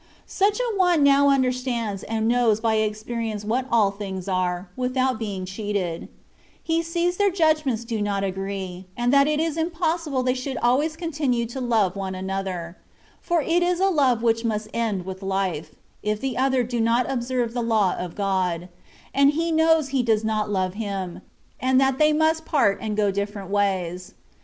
Such an one now understands and knows by experience what all things are, without being cheated : he sees their judgments do not agree, and that it is impossible they should always continue to love one another, for it is a love which must end with life, if the other do not observe the Law of God, and he knows he does not love Him, and that they must part and go diflferent ways.